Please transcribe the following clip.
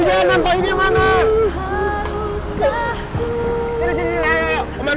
dikulangi dari sekolah